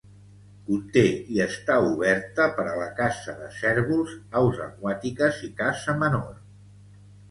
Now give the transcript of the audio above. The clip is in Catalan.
Conté i està obert per a la caça de cérvols, aus aquàtiques i caça menor.